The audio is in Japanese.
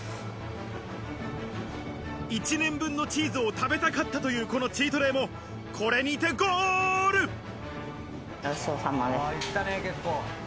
１年分のチーズを食べたかったというこのチートデイもこれにてゴごちそうさまでした。